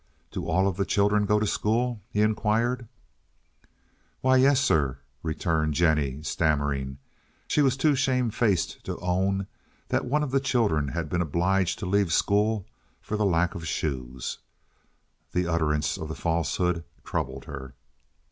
"Do all of the children go to school?" he inquired. "Why yes, sir," returned Jennie, stammering. She was too shamefaced to own that one of the children had been obliged to leave school for the lack of shoes. The utterance of the falsehood troubled her.